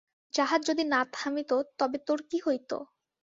জাহাজ যদি না থামিত তবে তোর কী হইত?